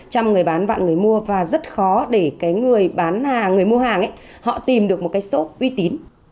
chăm người bán vạn người mua và rất khó để cái người bán hàng người mua hàng ấy họ tìm được một cái số uy tín